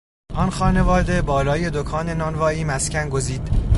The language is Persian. آن خانواده بالای دکان نانوایی مسکن گزید.